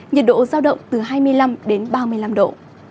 nhiệt độ giao động từ hai mươi năm đến ba mươi năm độ